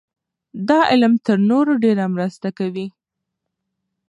دا علم تر نورو ډېره مرسته کوي.